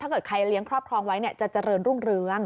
เกิดใครเลี้ยงครอบครองไว้จะเจริญรุ่งเรือง